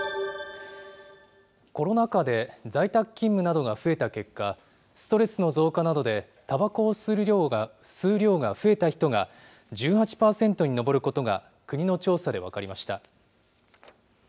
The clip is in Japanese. コロナ禍で在宅勤務などが増えた結果、ストレスの増加などで、たばこを吸う量が増えた人が１８％に上ることが、国の調査で分かりました。